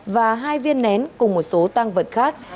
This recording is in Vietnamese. và hai viên nén cùng một số tăng vật khác